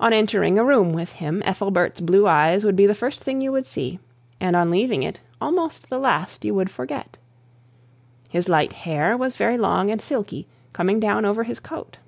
On entering a room with him, Ethelbert's blue eyes would be the first thing you would see, and on leaving it almost the last thing you would forget. His light hair was very long and silky, coming down over his coat.